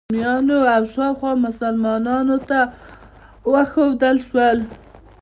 رومیانو او شاوخوا مسلمانانو ته وښودل شول.